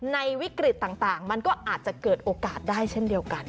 วิกฤตต่างมันก็อาจจะเกิดโอกาสได้เช่นเดียวกัน